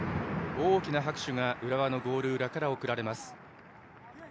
大きな拍手が浦和のゴール裏から送られました。